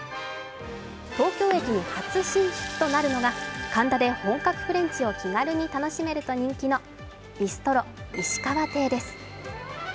東京駅に初進出となるのが、神田で本格フレンチを気軽に楽しめると人気のビストロ石川亭です。